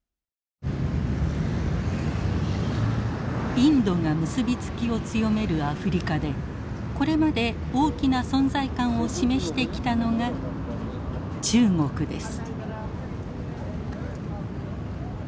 インドが結び付きを強めるアフリカでこれまで大きな存在感を示してきたのが中国です。